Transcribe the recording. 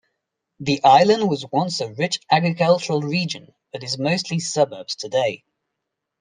The island was once a rich agricultural region, but is mostly suburbs today.